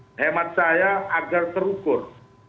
tapi hemat saya agar terukur